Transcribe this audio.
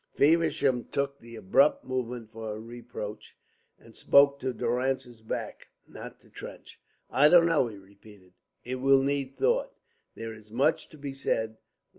Feversham took the abrupt movement for a reproach, and spoke to Durrance's back, not to Trench. "I don't know," he repeated. "It will need thought. There is much to be said.